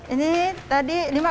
ini tadi lima belas pak